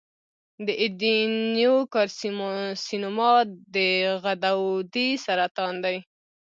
د ایڈینوکارسینوما د غدودي سرطان دی.